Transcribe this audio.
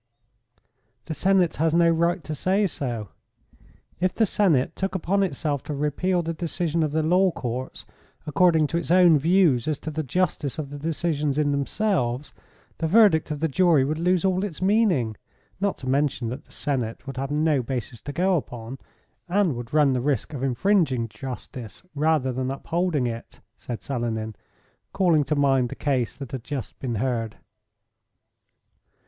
"The Senate has no right to say so. If the Senate took upon itself to repeal the decision of the law courts according to its own views as to the justice of the decisions in themselves, the verdict of the jury would lose all its meaning, not to mention that the Senate would have no basis to go upon, and would run the risk of infringing justice rather than upholding it," said Selenin, calling to mind the case that had just been heard.